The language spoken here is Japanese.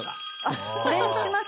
あっこれにします